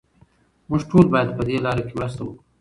موږ ټول باید پهدې لاره کې مرسته وکړو.